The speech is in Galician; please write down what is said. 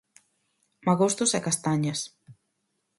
Magostos e castañas.